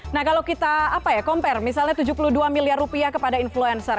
nah kalau kita compare misalnya tujuh puluh dua miliar rupiah kepada influencer